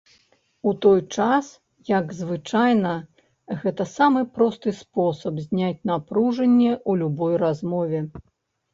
У той час як звычайна гэта самы просты спосаб зняць напружанне ў любой размове.